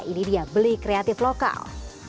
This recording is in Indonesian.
ini dia beli kreatif lokal